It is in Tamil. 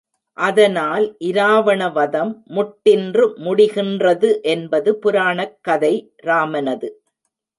அதனால் இராவண வதம் முட்டின்று முடிகின்றது என்பது புராணக் கதை, ராமனது.